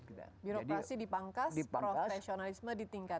birokrasi dipangkas profesionalisme ditingkatkan